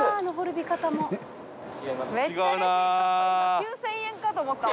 ９，０００円かと思った私。